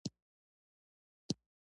د غزني تاریخي ځایونه مې هم ذهن ته راغلل.